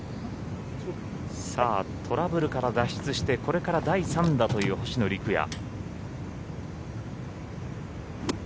トラブルから脱出してこれから第３打という星野陸也。